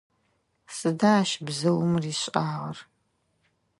Сыда ащ бзыум ришӏагъэр?